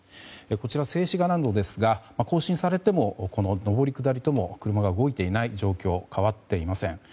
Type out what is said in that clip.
こちら、静止画なんですが更新されても上り、下りとも車が動いていない状況は変わっていません。